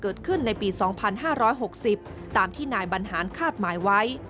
เกิดขึ้นในปี๒๕๖๐ตามที่นายบรรหารคาดหมายไว้